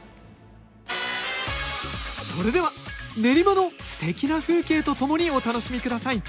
それでは練馬のすてきな風景と共にお楽しみください。